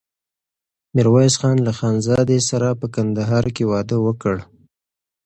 ميرويس خان له خانزادې سره په کندهار کې واده وکړ.